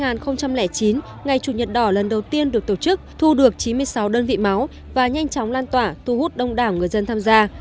năm hai nghìn chín ngày chủ nhật đỏ lần đầu tiên được tổ chức thu được chín mươi sáu đơn vị máu và nhanh chóng lan tỏa thu hút đông đảo người dân tham gia